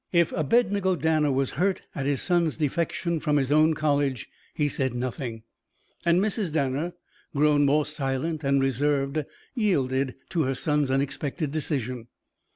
If Abednego Danner was hurt at his son's defection from his own college, he said nothing. And Mrs. Danner, grown more silent and reserved, yielded to her son's unexpected decision.